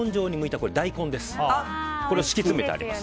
これを敷き詰めてあります。